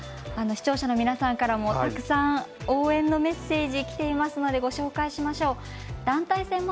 視聴者の皆さんからもたくさん応援のメッセージがきていますのでご紹介しましょう。